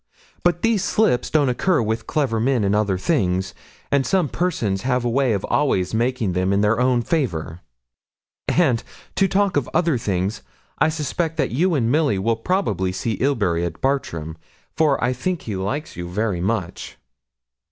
But these slips don't occur with clever men in other things; and some persons have a way of always making them in their own favour. And, to talk of other things, I suspect that you and Milly will probably see Ilbury at Bartram; for I think he likes you very much.'